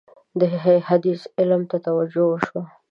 د حدیث علم ته توجه وشوه.